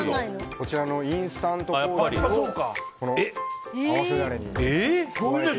インスタントコーヒーを合わせダレに。